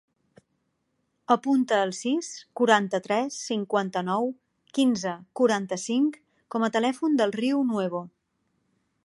Apunta el sis, quaranta-tres, cinquanta-nou, quinze, quaranta-cinc com a telèfon del Riu Nuevo.